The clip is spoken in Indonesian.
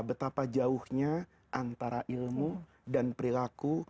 betapa jauhnya antara ilmu dan perilaku